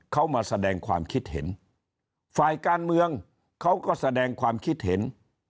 เขามาแสดงความคิดเห็นฝ่ายการเมืองเขาก็แสดงความคิดเห็น